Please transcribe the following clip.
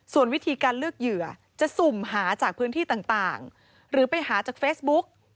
ส่วนวิธีการเลือกเหยื่อจะสุ่มหาจากพื้นที่ต่างหรือไปหาจากเฟซบุ๊ก